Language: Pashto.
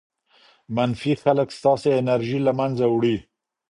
منفي خلک ستاسې انرژي له منځه وړي.